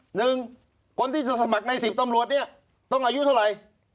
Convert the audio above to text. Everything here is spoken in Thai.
หนึ่งคนที่จะสมัครในสิบตำรวจเนี่ยต้องอายุเท่าไหร่